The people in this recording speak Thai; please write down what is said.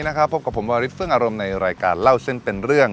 สวัสดีครับผมวันฤทธิ์ฟื้มอารมณ์ในรายการเล่าเส้นเป็นเรื่อง